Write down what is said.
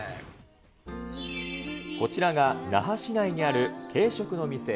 こちらが那覇市内にある軽食の店